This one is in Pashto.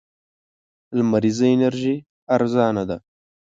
لمريزه انرژي ارزانه ده.